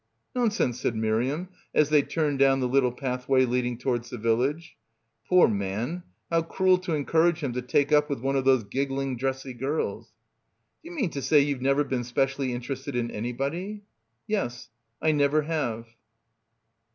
"Nonsense," said Miriam, as they turned down the little pathway leading towards the village. Poor man, how cruel to encourage him to take up with one of those giggling dressy girls. "D'you mean to say you've been never spe cially interested in anybody?" "Yes. I never have."